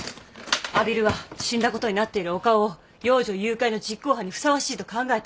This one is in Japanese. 阿比留は死んだことになっている岡尾を幼女誘拐の実行犯にふさわしいと考えた。